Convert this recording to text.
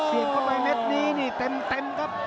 เสียบเข้าไปเม็ดนี้นี่เต็มครับ